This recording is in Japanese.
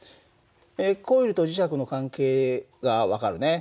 コイルと磁石の関係が分かるね。